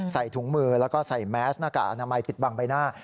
ใส่ถุงมือแล้วก็ใส่แมสหน้ากากอนามัยปิดบังใบหน้า